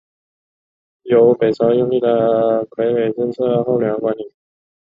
由北周拥立的傀儡政权后梁管理。